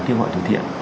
kêu gọi từ thiện